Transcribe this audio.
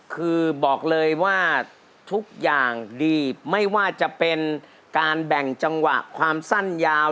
คือบอกเลยว่าทุกอย่างดีไม่ว่าจะเป็นการแบ่งจังหวะความสั้นยาว